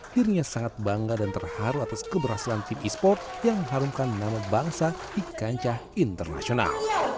dirinya sangat bangga dan terharu atas keberhasilan tim e sport yang mengharumkan nama bangsa di kancah internasional